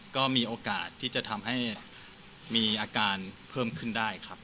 ก็มีโอกาสที่จะทำให้มีอาการเพิ่มขึ้นได้ครับ